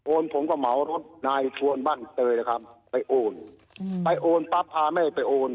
ผมก็เหมารถนายชวนบ้านเตยนะครับไปโอนไปโอนปั๊บพาแม่ไปโอน